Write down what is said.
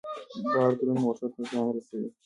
بار دروند موټر ته زیان رسوي.